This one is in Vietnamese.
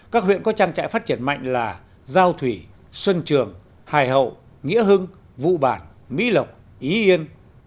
các huyện có trang trại phát triển mạnh là giao thủy xuân trường hải hậu nghĩa hưng vụ bản mỹ lộc ý yên